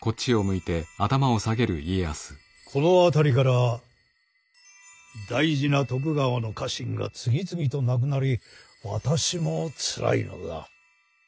この辺りから大事な徳川の家臣が次々と亡くなり私もつらいのだ。